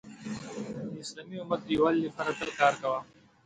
د اسلامی امت د یووالي لپاره تل کار کوه .